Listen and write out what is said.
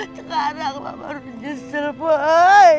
sekarang lu harus diselubuhi